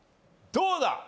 どうだ？